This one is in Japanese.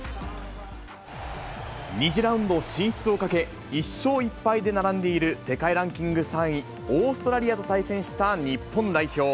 ２次ラウンド進出をかけ、１勝１敗で並んでいる世界ランキング３位、オーストラリアと対戦した日本代表。